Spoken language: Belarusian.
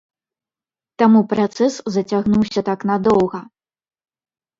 Таму працэс зацягнуўся так надоўга.